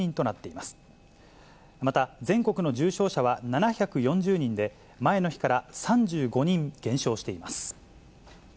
また全国の重症者は７４０人で、前の日から３５人減少しています。